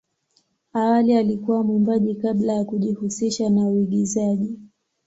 Awali alikuwa mwimbaji kabla ya kujihusisha na uigizaji.